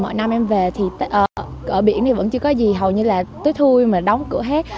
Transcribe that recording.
mỗi năm em về thì ở biển thì vẫn chưa có gì hầu như là tối thui mà đóng cửa hết